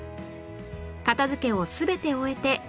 片付けを全て終えて撤収